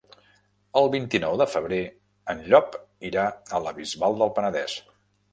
El vint-i-nou de febrer en Llop irà a la Bisbal del Penedès.